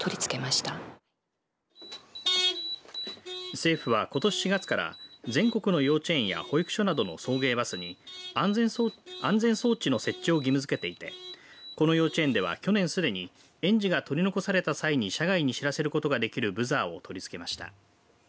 政府はことし４月から全国の幼稚園や保育所などの送迎バスに安全装置の設置を義務付けていてこの幼稚園では去年すでに園児が取り残された際に車外に知らせることができるブザーを取り付けました。